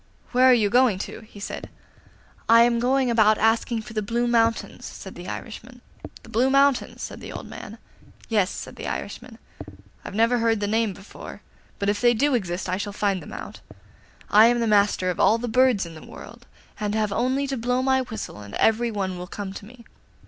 'Where are you going to?' he said. 'I am going about asking for the Blue Mountains,' said the Irishman. 'The Blue Mountains?' said the old man. 'Yes,' said the Irishman. 'I never heard the name before; but if they do exist I shall find them out. I am master of all the birds in the world, and have only to blow my whistle and every one will come to me.